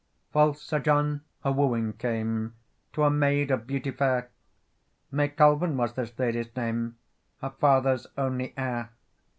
FALSE Sir John a wooing came To a maid of beauty fair; May Colven was this lady's name, Her father's only heir.